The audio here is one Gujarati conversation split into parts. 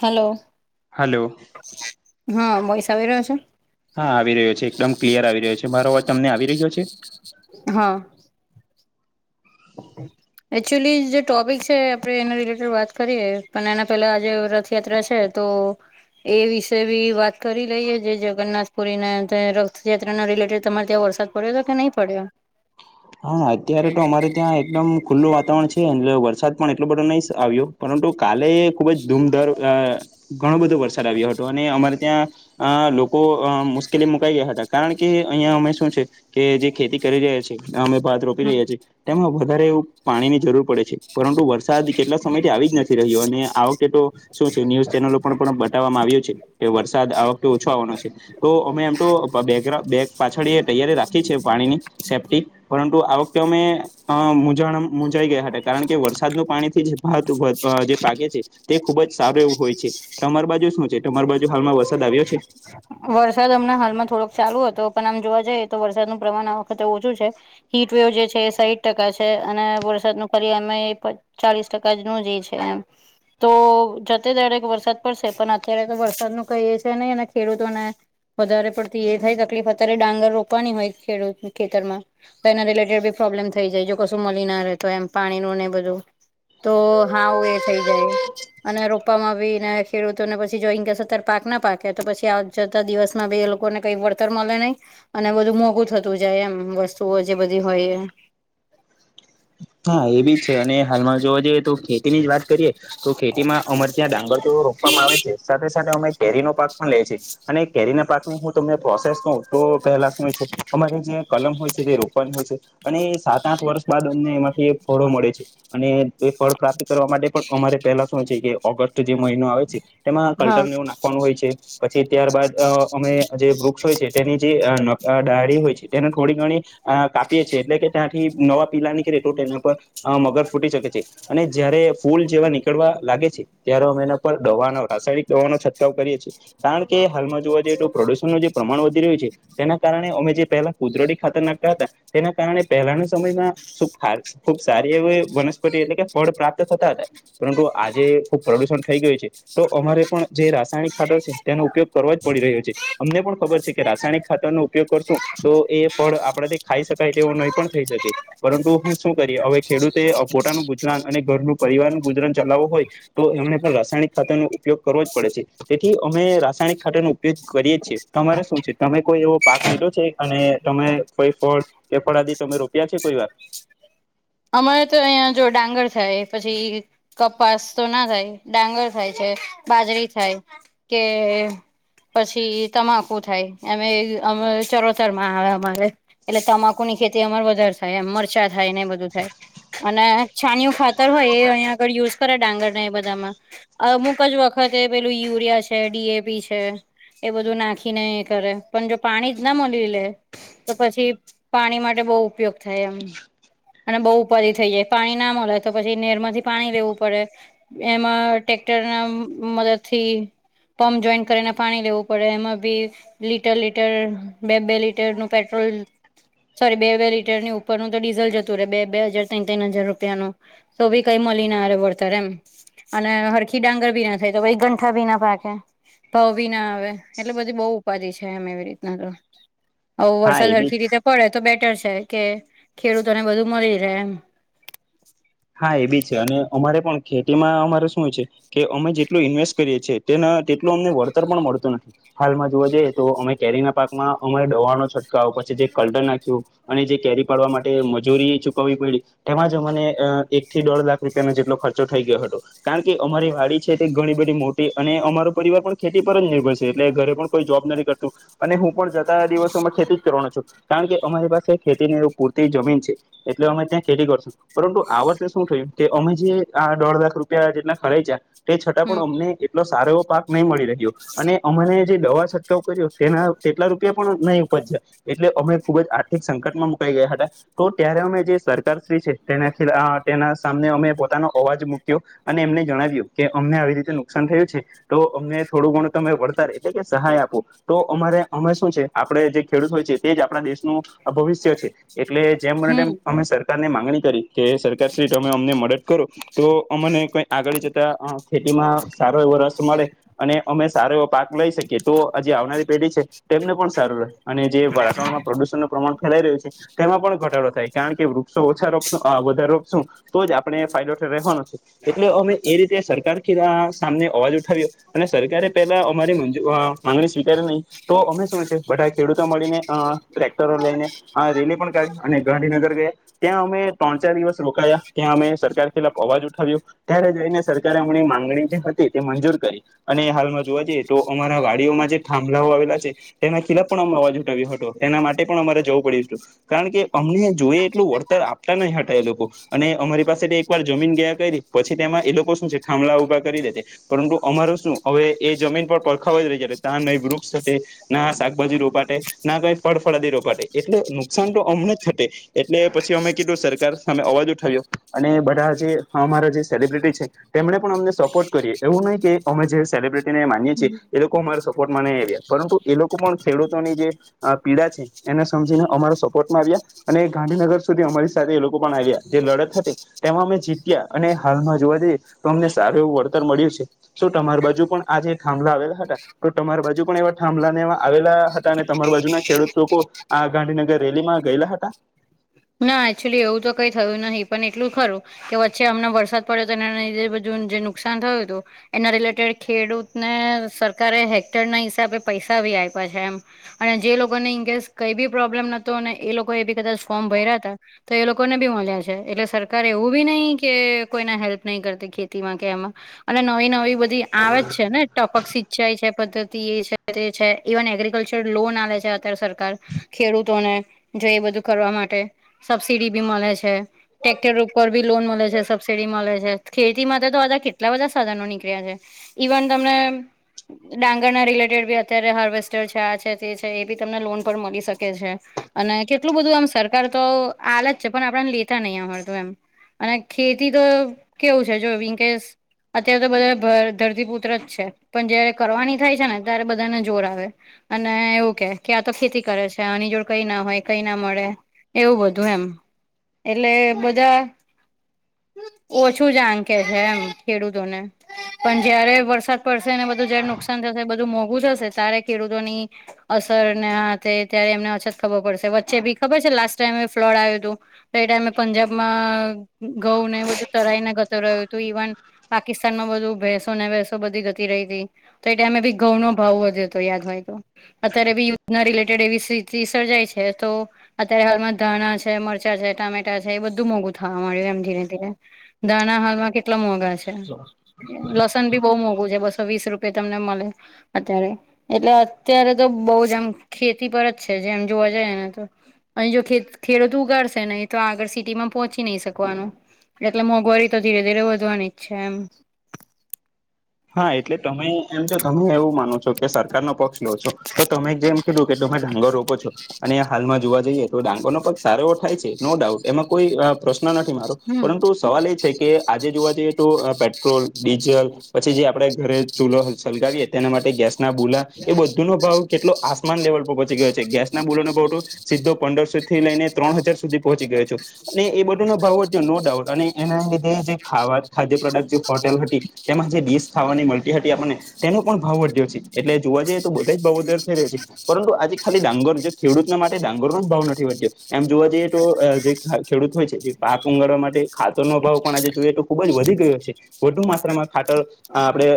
હલો હલો હહ વોઇસ આવી રહ્યો છે? હા આવી રહ્યો છે. એકદમ ક્લિયર આવી રહ્યો છે. મારો અવાજ તમને આવી રહ્યો છે? હહ ઓ [inaudible] એકચ્યુલી જે ટોપિક છે આપણે એના રિલેટેડ વાત કરીએ. પણ એના પેલા આજે રથયાત્રા છે. તો એ વિશે બી વાત કરી લઈએ. જે જગન્નાથપુરીના રથયાત્રાના રિલેટેડ તમારે ત્યાં વરસાદ પડ્યો તો કે નહી પડ્યો? હા અત્યારે તો અમારે ત્યાં એકદમ ખુલ્લું વાતાવરણ છે એનલે વરસાદ પણ એટલો બધો નહી આવ્યો. પરંતુ કાલે ખુબ જ ધૂમધર અ ઘણો બધો વરસાદ આવ્યો હતો. અને અમારે ત્યાં અ લોકો અ મુશ્કેલીમાં મુકાઈ ગયા હતા. કારણ કે અહિયાં અમે શું છે કે જે ખેતી કરી રહ્યા છીએ. અમે ભાત રોપી હમ રહ્યા છી. તેમાં વધારે એવું પાણીની જરૂર પડે છે. પરંતુ વરસાદ કેટલા સમયથી આવી જ નથી રહ્યો અને આ વખતે તો શું છે ન્યુઝ ચેનલો પણ પણ બતાવામાં આવ્યું છે. કે વરસાદ આ વખતે ઓછો આવાનો છે. તો અમે એમ તો પ બેગરા બેગ પાછળ તૈયારી રાખી છે. પાણીની સેફ્ટી. પરંતુ આ વખતે અમે અ મૂંઝાણ મુંજાઈ ગયા હતા. કારણ કે વરસાદનું પાણીથી જ હતું ભાત જે લાગે છે તે ખુબ જ સારું એવું હોય છે. તમાર બાજુ શું છે તમાર બાજુ હાલમાં વરસાદ આવ્યો છે? વરસાદ અમણાં હાલમાં થોડોક ચાલુ હતો પણ આમ જોવા જઈએ તો વરસાદનું પ્રમાણ આ વખતે ઓછું છે. હીટવેવ જે છે એ સાહીઠ ટકા છે. અને વરસાદનો પરી એમય પર ચાલીસ ટકા જ નું જ એ છે એમ. તો જતે દારેક વરસાદ પડશે પણ અત્યારે તો વરસાદનું કઈ એ છે નહીં અને ખેડૂતોને વધારે પડતી એ થાય તકલીફ અત્યારે ડાંગર રોપવાની હોય ખેડૂતને ખેતરમાં. તો એના રિલેટેડ બી પ્રોબ્લેમ થઈ જાય જો કશું મલી ના રે તો એમ પાણીનું ને એ બધું. તો હાવ એ થઈ જાય. અને રોપવામાં આવીને ખેડૂતોને પછી જોઈ ન કેશે અતારે પાક ના પાકે. તો પછી આ જતા દિવસમાં બે લોકોને કઈ વળતર મલે નહીં. અને બધું મોંઘું થતું જાય એમ વસ્તુઓ જે બધી હોય એ. હા એ બી છે અને હાલમાં જોવા જઈએ તો ખેતી ની જ વાત કરીએ તો ખેતીમાં અમારે ત્યાં ડાંગર તો રોપવામાં આવે છે. સાથે સાથે અમે કેરીનો પાક પણ લઈ છે. અને કેરીના પાકની હું તમને પ્રોસેસ કહું તો પહેલા શું છે. અમારે જે કલમ હોય છે તે રોપવાની હોય છે. અને સાત આઠ વર્ષ બાદ અમને એમાંથી ફળો મળે છે. અને એ ફળ પ્રાપ્ત કરવા માટે પણ અમારે પેલા શું છે કે ઓગસ્ટ જે મહિનો આવે છે તેમાં હા કલ્ટરને એવું નાખવાનું હોય છે. પછી ત્યારબાદ અમે જે વૃક્ષ હોય છે તેની જે ડા તે થોડી ઘણી કાપી છીએ એટલે કે ત્યાંથી નવા પીલા ની એના પર મગર ફૂટી શકે છે અને જયારે ફૂલ જેવા નીકળવા લાગે છે ત્યારે અમે એના પર દવાનો રાસાયણિક દવાનો છંટકાવ કરીએ છીએ. કારણ કે હાલમાં જોવા જઈએ તો પ્રોડુશનનું જે પ્રમાણ વધી રહ્યું છે તેના કારણે અમે જે પહેલા કુદરડી ખાતર નાખતા તા તેના કારણે પહેલાના સમયમાં સુ હ ખુબ સારી એવી વનસ્પતિ એટલે કે ફળ પ્રાપ્ત થતા હતા. પરંતુ આજે ખુબ પ્રદુષણ થઈ ગયું છે. તો અમારે પણ જે રાસાયણિક ખાટર છે તેનો ઉપયોગ કરવા જ પડી રહ્યો છે. અમને પણ ખબર છે કે રાસાયણિક ખાતરનો ઉપયોગ કરશું તો એ ફળ આપણા તે ખાઈ શકાય તેવું નહી પણ થઈ શકે પરંતુ હું શું કરીએ હવે ખેડૂતે પોતાનું ગુજરાન અને ઘરનું પરિવાર નુ ગુજરાન ચલાવું હોય તો એમને પણ રાસાયણિક ખાત્ય નો ઉપયોગ કરવો જ પડે છે. તેથી અમે રાસાયણિક ખાટર નો ઉપયોગ કરીએ છીએ તમારે શું છે તમે કોઈ એવો પાક લીધો છે અને તમે કોઈ ફળ કે ફળાદી તમે રોપ્યા છે કોઈ વાર? અમારે તો અહિયાં જો ડાંગર થાય પછી કપાસ તો ના થાય ડાંગર થાય છે બાજરી થાય કે પછી તમાકુ થાય એમે અ ચરોચર માં આવે અમારે. એટલે તમાકુ ની ખેતી અમાર વધારે થાય એમ મરચાં થાય ને બધું. અને છાણિયુ ખાતર હોય એ અહીંયા આગળ યુઝ કરે ડાંગરને એ બધામાં. અમુક જ વખતે પેલું યુરિયા છે ડી એ પી છે. એ બધું નાખીને કરે પણ જો પાણી જ ના મળલી લે તો પછી પાણી માટે બહુ ઉપયોગ થાય એમ. અને બહુ ઉપાધ થઈ જાય પાણી ના મળે તો પછી નેર માંથી પાણી લેવું પડે. એમાં ટ્રેક્ટર ના મદદ થી પમ્પ જોઈન કરીને પાણી લેવું પડે એમાં બી લીટર લીટર બે બે લીટર નું પેટ્રોલ સોરી બે લીટરની ઉપરનું તો ડીઝલ જ બે બે હજાર તન ત્રન હજાર રૂપિયા નો તો બી કઈ મળી ના રે વળતર એમ. અને હરખી ડાંગર ભી ના થાય તો ગંઠા ભી ના પાકે. ભવ બી ના આવે એટલે બધી બહુ ઉપાધિ છે એમ એવી રીતના. હવ હા વરસાદ એ બી હરખી રીતે પડે તો બેટર છે કે ખેડૂતોને બધું મળી રહે એમ. હા એ બી છે અને અમારે પણ ખેતીમાં અમારે શું છે કે અમે જેટલું ઇન્વેસ્ટ કરીએ છીએ તે તેટલું અમને વળતર પણ મળતું નથી. હાલમાં જોવા જઈએ તો અમે કેરી ના પાકમાં અમારે ડહણો છટક આવ પછી જે કલટન નાખ્યું. અને જે કેરી પાડવા માટે મજૂરી ચૂકવવી પડી તેમાં જ મને અ એક થી દો લાખ રૂપિયાનો જેટલો ખર્ચો થઈ ગયો હતો. કારણ કે અમારી વાડી છે તે ઘણી બધી મોટી અને અમારો પરિવાર પણ ખેતી પર જ નિર્ભર છે એટલે ઘરે પણ કોઈ જોબ નથી કરતું. અને હું પણ જતા દિવસોમાં ખેતી જ કરવાનો છું કારણ કે અમારી પાસે ખેતી એવ પૂરતી જમીન છે. એટલે અમે ત્યાં ખેતી કરશું પરંતુ આ વર્ષ શું થયું કે અમે જે આ દોઢ લાખ રૂપિયા જેટલા ખરાચ્યા તે છતાં હમ પણ અમને એટલો સારો એવો પાક નહી મળી રહ્યો અને અમને જે દવા છટકાવ કર્યો તેના તેટલા રૂપિયા નહી ઉપજ એટલે અમે ખુબ જ આર્થિક સંકટમાં મુકાઈ ગયા હતા તો ત્યારે અમે જે- છે તેને- તેના સામને અમે પોતાનો અવાજ મૂક્યો અને એમને જણાવ્યું કે અમને આવી રીતે નુકસાન થયું છે. તો અમને થોડું ઘણું તમે વળતર એટલે કે સહાય આપો. તો અમારે અમે શું છે આપણે જે ખેડૂત હોય છે તે જ આપણા દેશનું ભવિષ્ય છે. એટલે જેમ હમ અમે સરકાર ને માંગણી કરી કે મે અમને મદદ કરો તો અમને કઈ આગળ જતા ખેતીમાં સારો એવો રસ મળે. અને અમે સારો એવો પાક લઈ શકીએ તો હજી આવનારી પેઢી છે. તેમને પણ સારું લ- અને જે વાતાવરણમાં પ્રદુષણનું પ્રમાણ ફેલાઈ રહ્યું છે. તેમાં પણ ઘટાડો થાય કારણ કે વૃક્ષો ઓછા રોપું વધારે રોપશું તો જ આપણે ફાયદો ઠર રહેવાનો છે. એટલે અમે એ રીતે સરકાર ક સામને અવાજ ઉઠાવ્યો. અને સરકારે પેલા અમારીંજ માંગણી સ્વીકારારે નહી. તો અમે શું છે બધા ખેડૂતો મળીને અ ટ્રેક્ટરો લઈને. હા રેલી પણ કાઢી અને ગાંધીનગર ગયા ત્યાં અમે ત્રણ ચાર દિવસ. રોકાયા ત્યાં અમે સરકાર ખિલા અવાજ ઉઠાવ્યો. ત્યારે જઈને સરકારે હમની માંગણી જે હતી તે મંજૂર કરી. અને હાલમાં જોવા જઈએ તો અમારા વાડીઓમાં જે થાંભલાઓ આવેલા છે. એના ખિલાફ પણ અ અવાજ ઉઠાવ્યો હતો એના માટે પણ અમારે જવું પડ્યું હતું. કારણ કે અમને જોઈએ એટલું વળતર આપતા નહી હતા એ લોકો. અને અમારી પાસે એક વાર જમીન ગયા કરી પછી તેમાં એ લોકો શું છે થાંભળા ઉઊભા કરી દે. પરંતુ અમાર શું હવે એ જમીન પર પરખાવ જ રહી જટ તં ન વૃક્ષ સાથે- ના શાકભાજી રોપાટે ના કઈ ફળ ફળાદી રોપાટે એટલે નુકસાન તો હમને જ થટે. એટલે પછી અમે કીધું સરકાર અમે અવાજો થર્યો અને બધા જે અમારા જે સેલિબ્રિટી છે. તેમણે પણ અમને સપોર્ટ કરીએ એવું નહી કે અમે જે સેલિબ્રિટીને માનીએ છીએ એ લોકો. લોકો ઓ મારા સપોર્ટમાં નહી આવ્યા પરંતુ એ લોકો પણ ખેડૂતોની જે- પીડા છે એને સમજીને અમારો સપોર્ટમાં આવ્યા. અને ગાંધીનગર સુધી અમારી સાથે એ લોકો પણ આવ્યા. જે લડત હતી તેમાં અમે જીત્યા અને હાલમાં જોવા જઈએ તો અમને સારું એવું વળતર મળ્યું છે. શું તમારી બાજુ પણ આજ થાંભલા આવેલા હતા તો તમારી બાજુ પણ એવા થાંભલા ને એ આવેલા હતા અને તમારી બાજુના ખેડૂત લોકો આ ગાંધીનગર રેલી માં ગયેલા હતા ના એકચ્યુલી એવું તો કઈ થયું નહીિ પણ એટલું ખરું કે વચ્ચે હમનેં વરસાદ પડ્યો તો એને બધું જે નુકસાન થયું હતું. એના રિલેટેડ ખેડૂતને સરકારે હેક્ટર ના હિસાબે પૈસા ભી આપ્યા છે એમ. અને જે લોકોને ઇનકેસ કઈ બી પ્રોબ્લેમ નતો અને એ લોકો એ બી કદાચ ફોર્મ ભર્યા હતા. તો એ લોકોને બી મળ્યા છે એટલે સરકારે એવું બી નહીિ કે કોઈના હેલ્પ નહી કરતી ખેતીમાં કે એમાં અને નવી નવી બધી આવે જ છે ને ટપકી. છે પદ્ધતિ એ છે તે છે ઇવન એગ્રીિકલ્ચર લોન આવે છે અત્યારે સરકાર. ખેડૂતોને જો એ બધું કરવા માટે સબસીિડી બી મળે છે. ટટેક્ટર ઉપર બી લોન મળે છે સબસીિડી મળે છે ખેતી માટે તો આજા કેટલા બધા સાધનો નીકળ્યા છે. ઇવન તમને- ડાંગર ના રિલેટેડ બી અત્યારે હાર્વેસ્ટર છે આ છે તે છે એ બી તમને લોન પર મળી શકે છે. અને કેટલું બધું એમ સરકાર તો આલ જ છે પણ આપણેને લેતા નહી અ તો એમ. અને ખેતી તો કેવું છે જો વિનકેશ અત્યારે તો બધા ધરતીપુત્ર જ છે પણ જયારે કરવાની થાય છે ને ત્યારે બધાને જોર આવે. અને એવું કે કે આ તો ખેતી કરે છે આની જોડ કઈ ના હોય કઈ ના મળે. એવું બધું એમ એટલે બધા- ઓછું જ આં કે છે એમ ખેડૂતો ને પણ જયારે વરસાદ પડશે ને બધું જયારે નુકસાન થશે બધું મોંઘું થશે ત્યારે ખેડૂતોની અસર હાથે ત્યારે એમને અછત ખબર પડશે વચ્ચે બી ખબર છે લાસ્ટ ટાઈમ ફ્લડ આવ્યું હતું. તો એ ટાઈમે પંજાબમાં ઘઉ ને બધું તરાઈને ગતો રહ્યું હતું ઈવન પાકિસ્તાન માં બધું ભેસો ને ભસો બધી જતી રહી હતી. તો એ ટાઈમે ભી ઘઉં નો ભાવ વધતો યાદ હોય તો. અત્યારે બી યુ ના રિલેટેડ એવી સ્થિતિ સર્જાય છે તો અત્યારે હાલમાં ધાણા છે મરચાં છે ટામેટા છે એ બધું મોંઘું થવા મળ્યું એમ ધીરે ધીરે દાણા હાલમાં કેટલા મોંઘા છે લસણ ભી બહુ મોંઘું છે બસો વીસ રૂપે તમને મળે અત્યારે એટલે અત્યારે તો બહુ જ આમ ખેતી પર જ છે જેમ જોવા જઈ ને તો અહી જો ખેડૂતો ઉગાડશે નહી તો આગળ સિટીમાં પોહોંચી નહી શકવાનું એટલે મોંઘવારી તો ધીરે ધીરે વધવાની જ છે એમ હા એટલે તમે એમ જો તમે એવું માનો છો કે સરકાર નો પક્ષ લો છો તો તમે જેમ કીધું કે તમે ડાંગરોપ છો અને હાલમાં જોવા જઈએ તો ડાંગરનો પગ સારો થાય છે નો ડાઉટ એમાં કોઈ પ્રશ્ન નથી મારો હમ પરંતુ સવાલ એ છે કે આજે જોવા જઈએ તો પેટ્રોલ ડીઝલ પછી જે આપણેે ઘરે ચૂલો સલગાવીએ તેના માટે ગેસ ના બુલા એ બધુંનો ભાવ કેટલો આસમાન લેવલ પર પહોંચ ગયો ગેસના બૂલો નો ભાવ તો સીધો પંદરસો થી લઈને ત્રણ હજાર સુધી પહોંચી ગયો છ છે અને એ બધો નો ભાવ વધટ્યો નો ડાઉટ અને એના લીધે જે ખાવા ખાદ્ય પ્રોડક્ટ જે હોટેલ હતી તેમાં ખાવાની હતી આપને તેનો પણ ભાવ વધ્યો છે એટલે જોવા જઈ તો બધા જ દર થઈ રહ્યા છે પરંતુ આજ ખાલી ડાંગર ખેડૂત ના માટે ડાંગર નો જ ભાવ નથી વધ્યો એમ જોવા જઈએ તો જે ખેડૂત હોય છે પાક ઉંગાળવા માટે ખાતરનો ભભાવ પણ આજે જોઈએ તો ખુબ જ વધી ગયો છે વધુ માત્રામાં ખાતર આપણે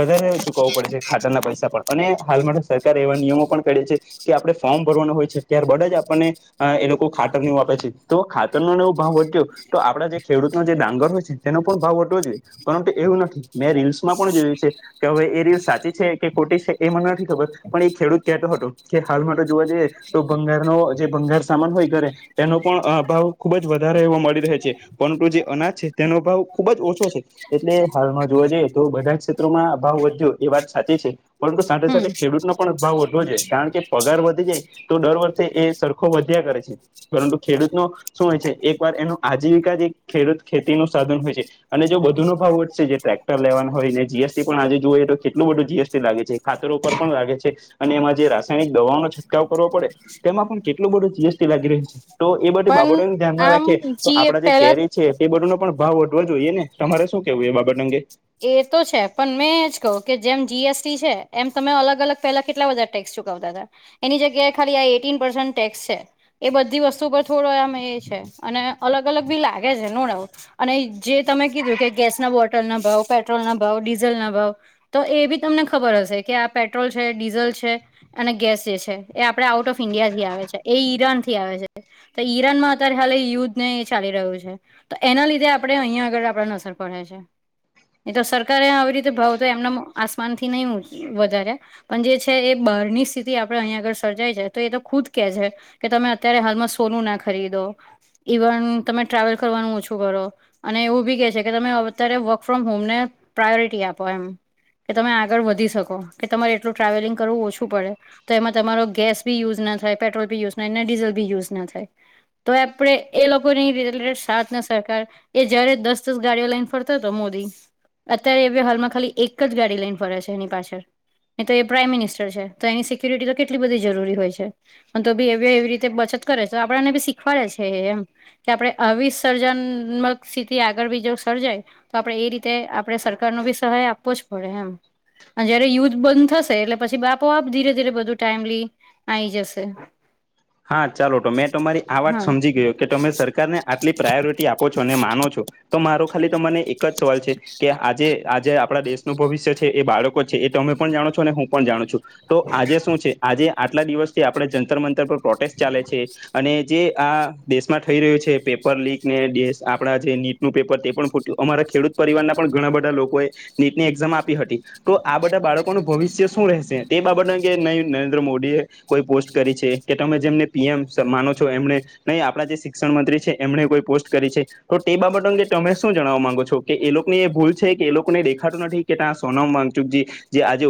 વધારે ચૂકવવું પડે છે ખાતરના પૈસા પણ અને હાલ માટે સરકારારે એવા નિયમો પણ કરે છે કે આપણે ફોર્મ ભરવા હોય છે ત્યારબાદ જ આપણને એ લોકો ખાતર વા આપે છે તો ખાતરનોને એવો ભાવ વધટ્યો તો આપડા જે ખેડૂતનો જે ડાંગર હોય છે તેનો પણ ભાવ વધટવો જોઈએ પરંતુ એવું નથી મેં રીલ્સમાં પણ જોયું છે કે હવે એ રીલ્સ સાચી છે કે ખોટી છે એ મને નથી ખબર પણ એ ખેડૂત કેતો હતો કે હાલ માટે તો જોવા જઈએ તો ભંગાર ન જે ભંગાર સામાન હોય ઘરે તેનો પણ ભાવ ખુબ જ વધારે એવ મળી રહે છે પરંતુ જે અનાજ છે તેનો ભાવ ખુબ જ ઓછો છે એટલે હાલમાં જોવા જઈએ તો બધા જ ક્ષેત્રોમાં અ ભાવ વધ્યો એ વાત સાચી છે પરંતુ સાથે હમ સાથે ખેડૂતનો પણ ભાવ વધો જોયે કારણ કે પગાર વધી જાય તો દર વર્ષે એ સરખો વધ્યા કરે છે પરંતુ ખેડૂતનો શું હોય છે એક વાર એનો આજીવિકા જ ખેડૂત ખેતી નો સાધન હોય છે અને જો બધુ ન ભાવ જે ટ્રેક્ટર લેવાનું હોય ને જીએસટી પણ આજે જોઈએ તો કેટલું બધું જીએસટી લાગે છે ખાતરો ઉપર પણ લાગે છે અને એમાં જે રાસાયણિક દવાઓ ન છંટકાવ કરવો પડે તેમાં પણ કેટલું બધું જીએસટી લાગી રહ્યું છે તો એ બધી પણ બાબતોને ધ્યાનમાં આમ રાખે તો આપડા જે પેલા કેરી છે પ બધો નો પણ ભાવ વધવા જોઈએ ને તમારે શું કેવું એ બાબત અંગે [inaudible] એ તો છે પણ મેં એજ કહ કે જેમ જીએસટી છે એમ તમે અલગ અલગ પહેલા કેટલા બધા ટેક્સ ચુકવતા હતા એની જગ્યાએ ખાલી આ એટીન પસેન્ટ ટેક્સ છે એ બધી વસ્તુ પર થોડો આમ એ છે અને અલગ અલગ બી લાગે છે નો ડાઉટ અને જે તમે કીધું કે ગેસના બોટલ ના ભાવ પેટ્રોલના ભાવ ડીઝલ ના ભાવ તો એ બી તમને ખબર હશે કે આ પેટ્રોલ છે ડીઝલ છે અને ગેસ જે છે એ આપડે આઉટ ઓફ ઇન્ડિયા થી આવે છે એ ઈરાન થી આવે છે તો ઈરાન માં અત્યારે હા યુદ્ધ ને એ ચાલી રહ્યું છે તો એના લીધે આપણે અહીયાયા આગળ આપણે અસર પડે છે એ તો સરકારે આવી રીતે ભાવ તો એમના આસમાન થી નહી વધાર્યા પણ જે છે એ બહારની સ્થિતિ આપડણે અહીંયા આગળ સર્જાય છે તો એ તો ખુદ કે છે કે તમે અત્યારે હાલમાં સોનું ના ખરીદો ઈવન તમે ટ્રાવેલ કરવાનું ઓછું કરો અને એવું બી કે છે કે તમે અત્યારે વર્ક ફ્રોમ હોમ ને પ્રાયોરિટી આપો એમ કે તમે આગળ વધી શકો કે તમારે એટલું ટ્રાવેલિંગ કરવું ઓછું પડે તો એમાં તમારો ગેસ બી યુઝ ના થાય પેટ્રોલ બી યુઝ ના થાય ને ડીઝલ બી યુઝ ના થાય તો આપડે એ લોકોની રિલેટેડ સાથને, સરકાર એ જયારે દસ ગાડીઓ લઇને ફરતા હતો મોદી. અત્યારે એવે હાલમાં ખાલી એક જ ગાડી લઈને ફરે છે, એની પાછળ એ તો એ પ્રાઇમ મિનિસ્ટર છે, તો એની સિક્યુરિટી તો કેટલી બધી જરૂરી હોય છે. અને તો બી એવી એવી રીતે બચત કરે છે, તો આપણને બી શીખવાડે છે એમ. કે આપણે અવિસર્જનમક સ્થિતિ. આગળ બીજો સર્જાય, તો આપડે એ રીતે આપણે સરકાર ને બી સહાય આપવો જ પડે એમ. અને જયારે યુથ બંધ થશે, એટલે પછી આપો આપ, ધીરે ધીરે બધું ટાઈમલી આઈ જશે. હા, ચાલો, તો મેં તમારી આ વાત હા સમજી ગયો કે તમે સરકારને આટલી પ્રાયોરિટી આપો છો અને માનો છો. તો મારો ખાલી તને એક જ સવાલ છે. કે આજે, આજે આપણા દેશનું ભવિષ્ય છે, એ બાળકો છે, એ તમે પણ જાણો છો અને હું પણ જાણું છું. તો આજે શું છે, આજે આટલા દિવસથી આપણે જંતર મંતર પર પ્રોટેસ્ટ ચાલે છે. અને જે આ દેશમાં થઈ રહ્યો છે, પેપર લીક. બે દિવસ, આપણા જે નીટનું પેપર, તે પણ ફૂટ્યું. અમારા ખેડૂત પરિવારના પણ ઘણા બધા લોકો નીટની એક્ઝામ આપી હતી. તો આ બધા બાળકોનું ભવિષ્ય શું રહેશે, એ બાબત કે નરેન્દ્ર મોદી એ કોઈ પોસ્ટ કરી છે કે તમે જેમને પીએમ માનો છો, એમને નહીં આપણા જે શિક્ષણ મંત્રી છે, એમણે કોઈ પોસ્ટ કરી છે. તો તે બાબત અંગે તમે શું જણવા માંગો છો, કે એ લોકોની એ ભૂલ છે, કે એ લોકોને દેખાતું નથી? કેતા સોનમ માચુક, જે આજે